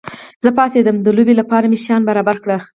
زه پاڅېدم، د لوبې لپاره مې شیان برابر کړل.